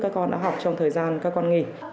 các con đã học trong thời gian các con nghỉ